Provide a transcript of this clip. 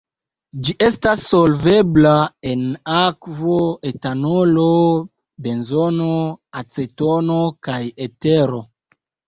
Ĝi estas solvebla en akvo, etanolo, benzeno, acetono kaj etero.